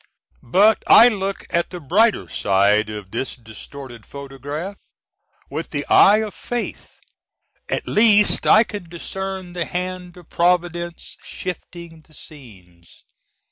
But I look at the brighter side of this distorted photograph. With the eye of faith at least I can discern the hand of Providence shifting the scenes.